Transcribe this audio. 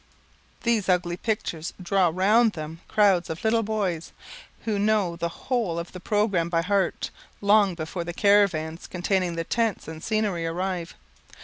These ugly pictures draw round them crowds of little boys, who know the whole of the programme by heart, long before the caravans containing the tents and scenery arrive.